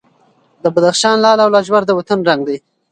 د بدخشان لعل او لاجورد د وطن رنګ دی.